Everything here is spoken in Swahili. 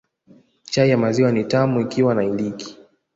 Chai ya maziwa ni tamu ikiwa na iliki